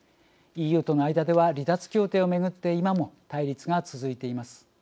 ＥＵとの間では離脱協定を巡って今も対立が続いています。